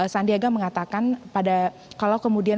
sandiaga mengatakan pada